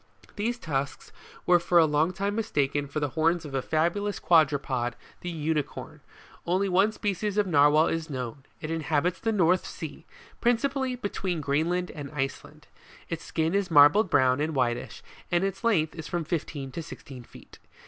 These tusks were for a long time mistaken for the horns of a fabulous quadruped, the Unicorn Only one species of Narwhal is known : it inhabits the North Sea, principally be tween Greenland and Iceland. Its skin is marbled brown and whitish, and its length is from fifteen to sixteen feet.